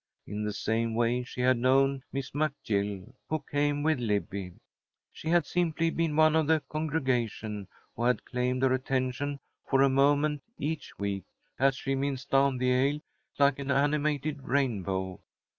In the same way she had known Miss McGill, who came with Libbie. She had simply been one of the congregation who had claimed her attention for a moment each week, as she minced down the aisle like an animated rainbow.